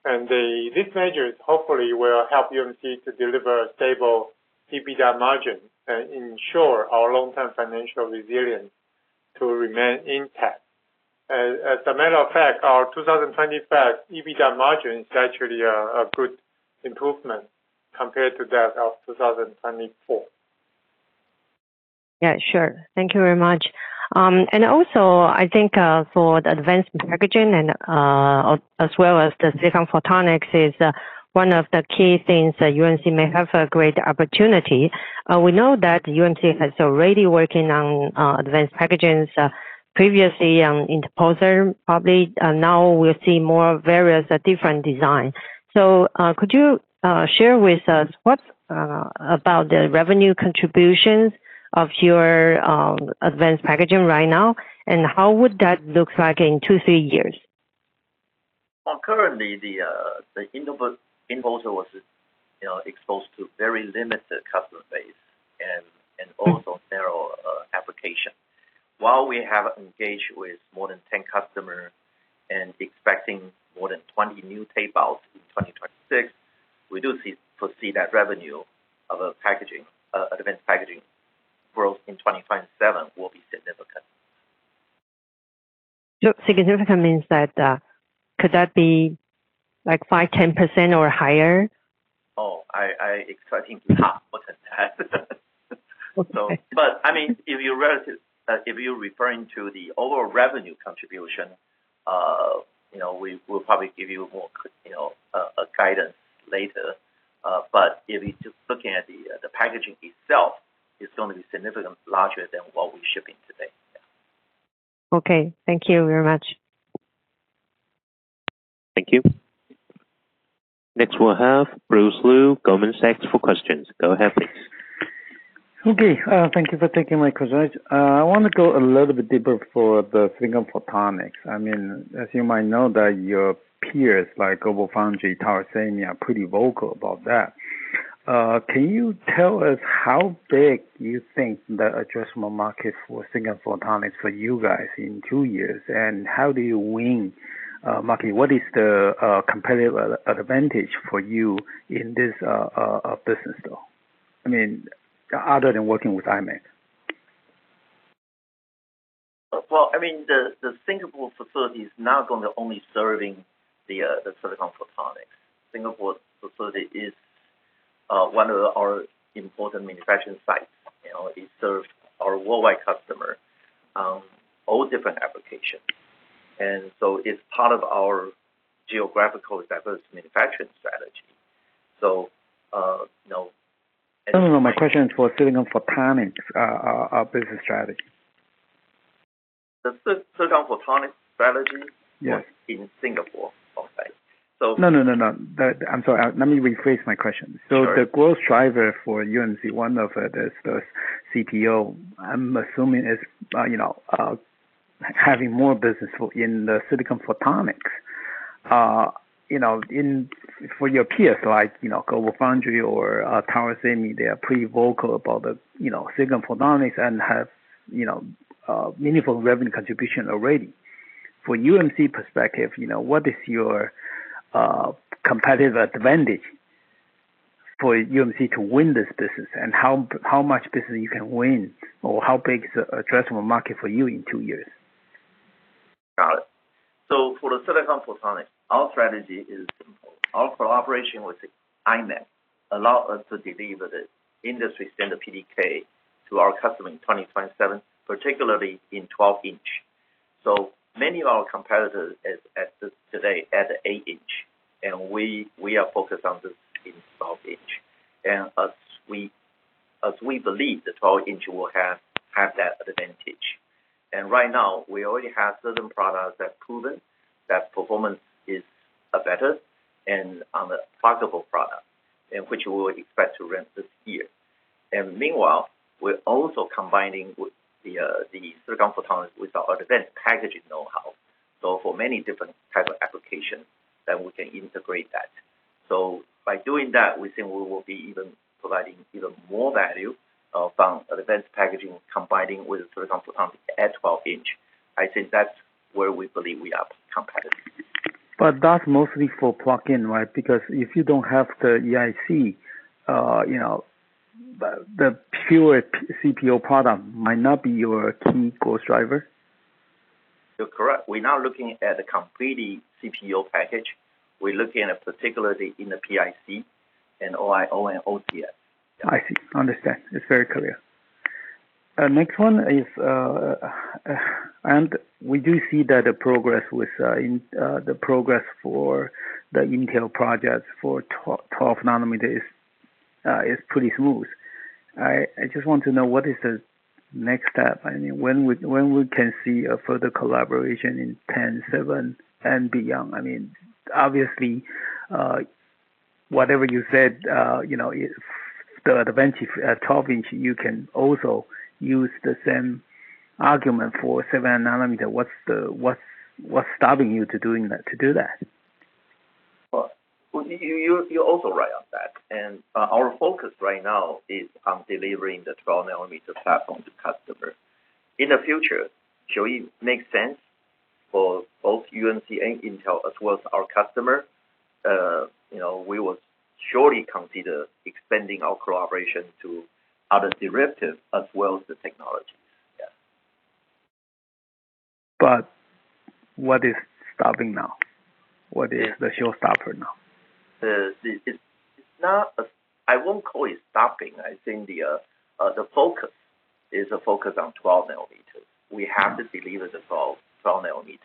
efficiency. These measures hopefully will help UMC to deliver a stable EBITDA margin and ensure our long-term financial resilience to remain intact. As a matter of fact, our 2025 EBITDA margin is actually a good improvement compared to that of 2024. Yeah, sure. Thank you very much. And also, I think, for the advanced packaging and, as well as the silicon photonics is, one of the key things that UMC may have a great opportunity. We know that UMC has already working on, advanced packagings, previously on interposer. Probably, now we'll see more various, different design. So, could you, share with us what about the revenue contributions of your, advanced packaging right now, and how would that look like in 2-3 years? Well, currently, the interposer was, you know, exposed to very limited customer base and also narrow application. While we have engaged with more than 10 customers and expecting more than 20 new tape outs in 2026, we do see, foresee that revenue of a packaging, advanced packaging growth in 2027 will be significant. So significant means that, could that be like 5%, 10% or higher? Oh, I expecting half more than that. Okay. But I mean, if you're referring to the overall revenue contribution, you know, we will probably give you more color, you know, guidance later. But if you're just looking at the packaging itself, it's gonna be significantly larger than what we're shipping today. Yeah. Okay. Thank you very much. Thank you. Next we'll have Bruce Lu, Goldman Sachs, for questions. Go ahead, please. Okay. Thank you for taking my questions. I want to go a little bit deeper for the silicon photonics. I mean, as you might know, that your peers, like GlobalFoundries, Tower Semi, are pretty vocal about that. Can you tell us how big you think the addressable market for silicon photonics for you guys in two years, and how do you win market? What is the competitive advantage for you in this business though, I mean, other than working with imec? Well, I mean, the Singapore facility is not going to only serving the silicon photonics. Singapore facility is one of our important manufacturing sites. You know, it serves our worldwide customer, all different applications. And so it's part of our geographical diverse manufacturing strategy. So, you know- No, no, no, my question is for Silicon Photonics business strategy. The silicon photonics strategy- Yes. in Singapore. Okay. No, no, no, no. I'm sorry. Let me rephrase my question. Sure. So the growth driver for UMC, one of the, the CPO, I'm assuming, is, you know, having more business for, in the silicon photonics. You know, in, for your peers, like, you know, GlobalFoundries or, Tower Semi, they are pretty vocal about the, you know, silicon photonics and have, you know, meaningful revenue contribution already. For UMC perspective, you know, what is your, competitive advantage for UMC to win this business, and how, how much business you can win, or how big is the addressable market for you in two years? Got it. So for the silicon photonics, our strategy is simple. Our collaboration with imec allow us to deliver the industry standard PDK to our customer in 2027, particularly in 12 in. So many of our competitors, as today at 8 in, and we are focused on this in 12 in. And as we believe the 12 in will have that advantage. And right now, we already have certain products that proven that performance is better and on the profitable product, and which we would expect to ramp this year. And meanwhile, we're also combining with the silicon photonics with our advanced packaging know-how. So for many different type of applications, then we can integrate that. So by doing that, we think we will be even providing even more value from advanced packaging, combining with silicon photonics at 12 in. I think that's where we believe we have competitive. But that's mostly for plug-in, right? Because if you don't have the EIC, you know, the pure CPO product might not be your key growth driver. You're correct. We're now looking at a completely CPO package. We're looking at, particularly in the PIC and OIO and OTN. I see. I understand. It's very clear. Next one is, and we do see that the progress for the Intel project for 12 nm is pretty smooth. I just want to know, what is the next step? I mean, when we can see a further collaboration in 10, 7, and beyond? I mean, obviously, whatever you said, you know, the advantage at 12 in, you can also use the same argument for 7 nm. What's stopping you to doing that, to do that? Well, you're also right on that, and our focus right now is on delivering the 12 nm platform to customer. In the future, should it make sense for both UMC and Intel as well as our customer, you know, we will surely consider expanding our collaboration to other derivatives as well as the technologies. Yeah. But what is stopping now? What is the showstopper now? It's not a... I won't call it stopping. I think the focus is a focus on 12 nm. We have to deliver the 12 nm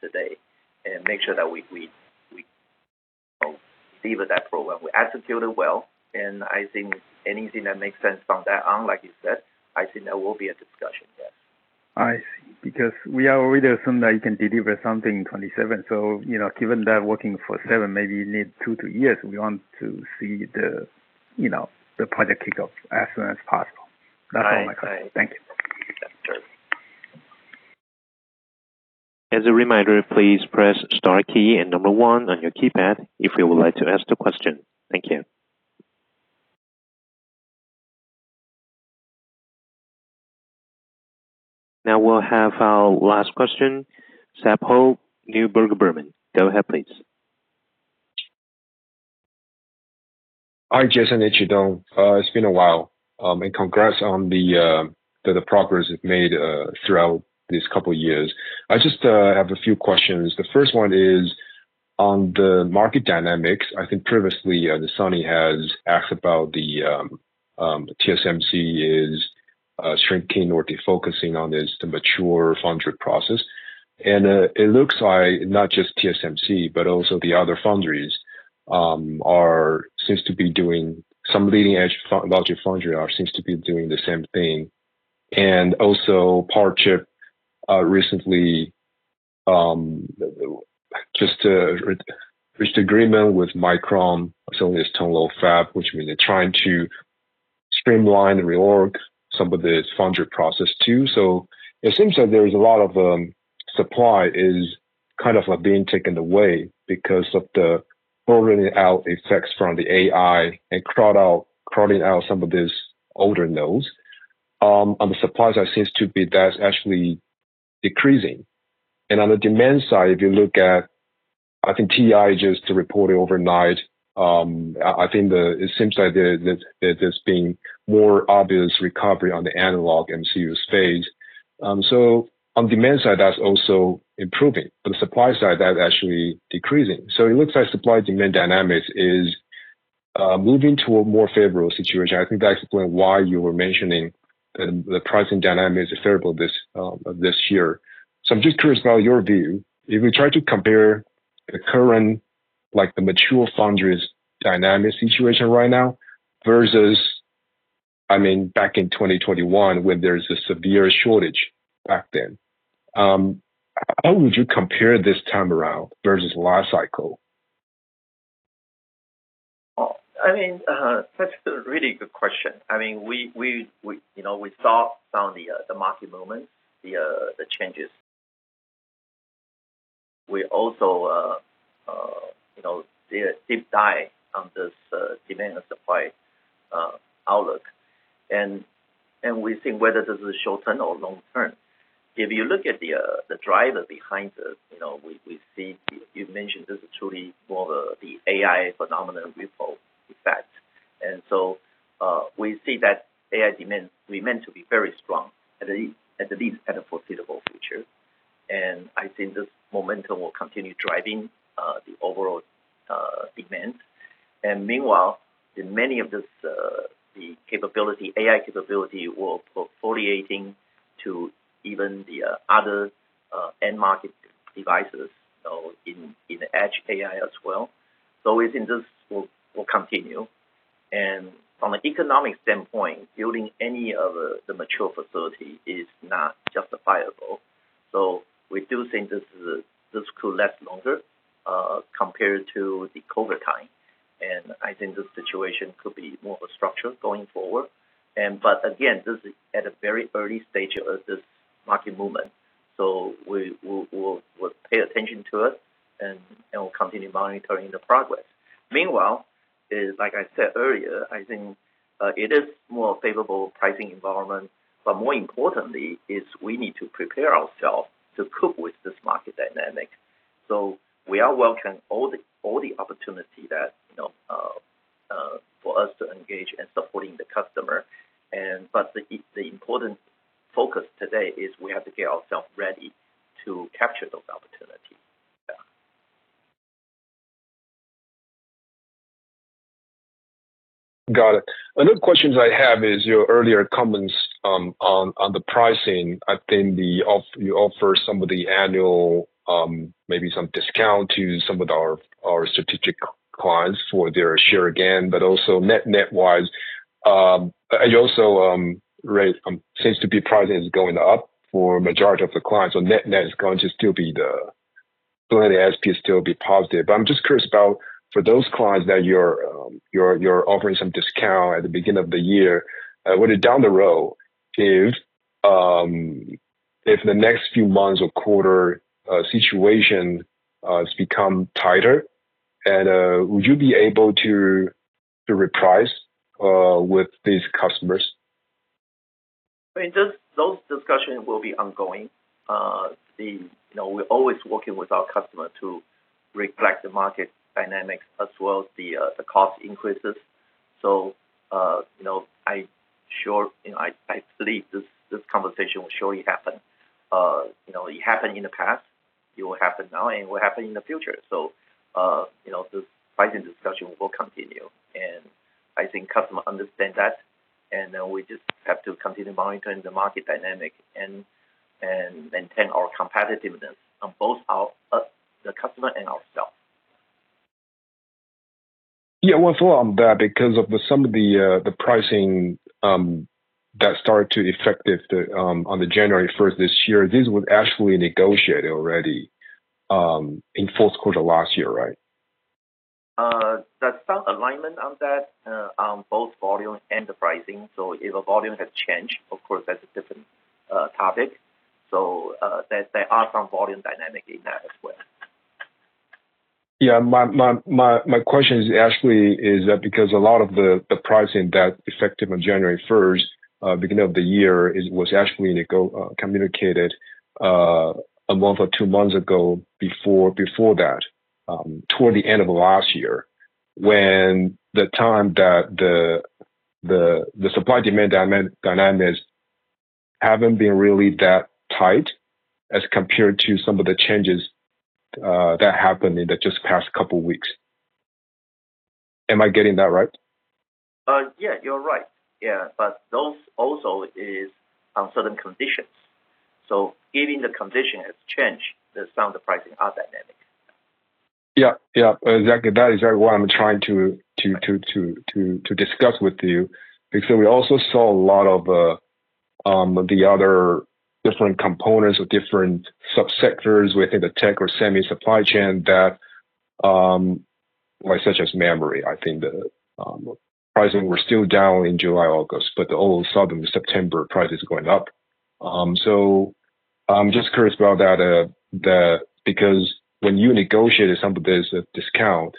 today, and make sure that we deliver that program. We executed well, and I think anything that makes sense from there on, like you said, I think there will be a discussion. Yes. I see. Because we are already assumed that you can deliver something in 27. So, you know, given that working for seven maybe you need two to years, we want to see the, you know, the project kick off as soon as possible. Right. That's all my question. Thank you. Sure. As a reminder, please press star key and number one on your keypad if you would like to ask the question. Thank you. Now we'll have our last question, [Sappho], Neuberger Berman. Go ahead, please. Hi, Jason and Chih-Tung. It's been a while, and congrats on the progress you've made throughout these couple years. I just have a few questions. The first one is on the market dynamics. I think previously, someone has asked about the TSMC shrinking or defocusing on this, the mature foundry process. It looks like not just TSMC, but also the other foundries seem to be doing the same thing. And also, Powerchip recently just reached agreement with Micron, selling its Tongluo fab, which means they're trying to streamline and reorg some of the foundry process too. So it seems like there is a lot of supply is kind of like being taken away because of the crowding out effects from the AI and crowding out some of these older nodes. On the supply side, seems to be that's actually decreasing. And on the demand side, if you look at, I think TI just reported overnight, I think it seems like there's been more obvious recovery on the analog MCU space. So on demand side, that's also improving, but the supply side, that's actually decreasing. So it looks like supply-demand dynamics is moving to a more favorable situation. I think that explains why you were mentioning the pricing dynamics is favorable this year. So I'm just curious about your view. If you try to compare the current, like the mature foundries dynamic situation right now, versus, I mean, back in 2021, when there was a severe shortage back then, how would you compare this time around versus last cycle? Well, I mean, that's a really good question. I mean, we, you know, we saw some of the market movement, the changes. We also, you know, did a deep dive on this, demand and supply outlook, and we think whether this is short term or long term. If you look at the driver behind this, you know, we see, you mentioned, this is truly more the AI phenomenon ripple effect. And so, we see that AI demand, we meant to be very strong, at the least in the foreseeable future... and I think this momentum will continue driving the overall demand. And meanwhile, in many of this, the capability, AI capability will proliferating to even the other end market devices, so in the edge AI as well. So we think this will continue. And from an economic standpoint, building any of the mature facility is not justifiable. So we do think this could last longer compared to the COVID time, and I think this situation could be more of a structural going forward. But again, this is at a very early stage of this market movement, so we will pay attention to it and we'll continue monitoring the progress. Meanwhile, like I said earlier, I think it is a more favorable pricing environment, but more importantly, we need to prepare ourselves to cope with this market dynamic. So we are welcoming all the opportunities that, you know, for us to engage in supporting the customer, but the important focus today is we have to get ourselves ready to capture those opportunities. Yeah. Got it. Another question I have is your earlier comments on the pricing. I think you offer some of the annual, maybe some discount to some of our strategic clients for their share gain, but also net-net wise, and you also raise, seems to be pricing is going up for majority of the clients, so net-net is going to still be the, going to ASP still be positive. But I'm just curious about for those clients that you're offering some discount at the beginning of the year, would it down the road if the next few months or quarter situation has become tighter, and would you be able to reprice with these customers? I mean, just those discussions will be ongoing. You know, we're always working with our customer to reflect the market dynamics as well as the cost increases. So, you know, I sure, you know, I believe this conversation will surely happen. You know, it happened in the past, it will happen now, and it will happen in the future. So, you know, this pricing discussion will continue, and I think customer understand that, and then we just have to continue monitoring the market dynamic and maintain our competitiveness on both our, us, the customer and ourselves. Yeah, well, so on that, because of some of the, the pricing that started to effective on January first this year, this was actually negotiated already in fourth quarter last year, right? There's some alignment on that, on both volume and the pricing. So if the volume has changed, of course, that's a different topic. So, there are some volume dynamics in that as well. Yeah. My question is actually that because a lot of the pricing that effective on January first, beginning of the year, was actually nego- communicated, a month or two months ago before that, toward the end of last year, when the time that the supply-demand dynamics haven't been really that tight as compared to some of the changes that happened in the just past couple weeks. Am I getting that right? Yeah, you're right. Yeah, but those also is on certain conditions. So given the condition has changed, there's some of the pricing are dynamic. Yeah. Yeah, exactly. That is what I'm trying to discuss with you. Because we also saw a lot of the other different components or different subsectors within the tech or semi supply chain that, like such as memory, I think the pricing were still down in July, August, but all of a sudden, September, prices are going up. So I'm just curious about that. Because when you negotiated some of this discount,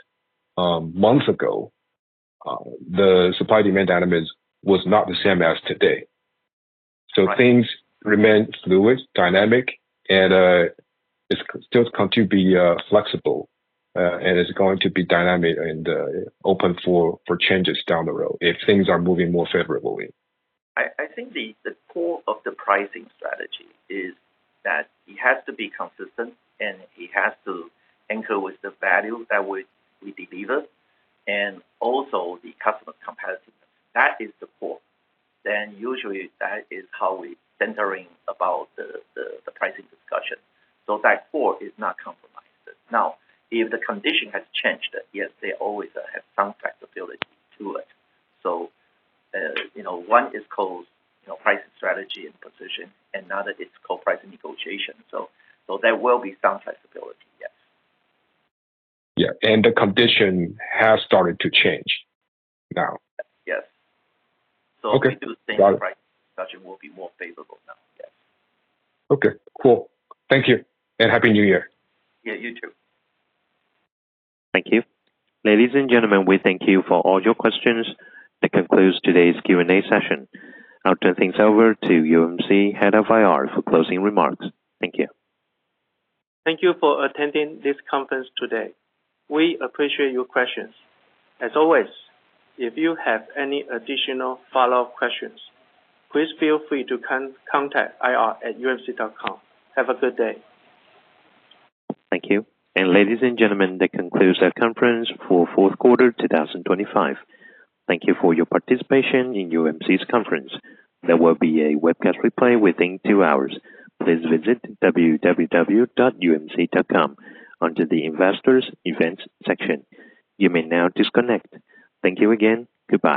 months ago, the supply-demand dynamics was not the same as today. So things remain fluid, dynamic, and it's still going to be flexible, and it's going to be dynamic and open for changes down the road if things are moving more favorably. I think the core of the pricing strategy is that it has to be consistent, and it has to anchor with the value that we deliver, and also the customer competitiveness. That is the core. Then usually that is how we centering about the pricing discussion. So that core is not compromised. Now, if the condition has changed, yes, they always have some flexibility to it. So, you know, one is called, you know, pricing strategy and position, and another is called pricing negotiation. So there will be some flexibility, yes. Yeah, and the condition has started to change now. Yes. Okay, got it. So we do think the pricing discussion will be more favorable now, yes. Okay, cool. Thank you, and Happy New Year. Yeah, you too. Thank you. Ladies and gentlemen, we thank you for all your questions. That concludes today's Q&A session. I'll turn things over to UMC, Head of IR, for closing remarks. Thank you. Thank you for attending this conference today. We appreciate your questions. As always, if you have any additional follow-up questions, please feel free to contact ir@umc.com. Have a good day. Thank you. Ladies and gentlemen, that concludes our conference for fourth quarter 2025. Thank you for your participation in UMC's conference. There will be a webcast replay within two hours. Please visit www.umc.com under the Investors Events section. You may now disconnect. Thank you again. Goodbye.